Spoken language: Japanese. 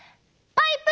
パイプ！